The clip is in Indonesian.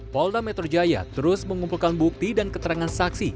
polda metro jaya terus mengumpulkan bukti dan keterangan saksi